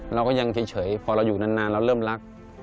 เราก็ยังเฉยพอเราอยู่นานเราเริ่มรัก